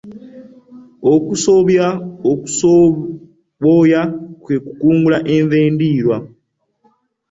Okusoboya kwe kukungula enva endiirwa.